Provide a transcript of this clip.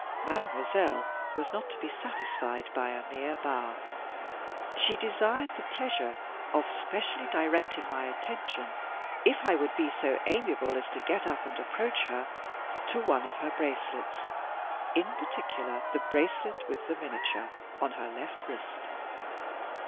Mademoiselle was not to be satisfied by a mere bow; she desired the pleasure of specially directing my attention, if I would be so amiable as to get up and approach her, to one of her bracelets in particular the bracelet with the miniature, on her left wrist.